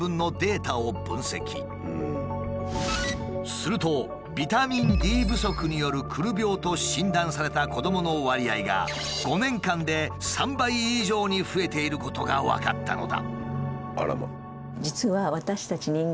すると「ビタミンＤ不足によるくる病」と診断された子どもの割合が５年間で３倍以上に増えていることが分かったのだ。